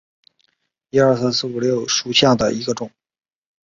黑端管蚜为常蚜科藤蚜属下的一个种。